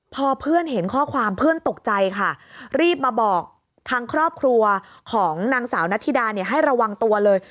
พอเพื่อนเห็นข้อความเพื่อนตกใจค่ะรีบมาบอกทางครอบครัวของนางสาวนัทธิดาเนี่ยให้ระวังตัวเลย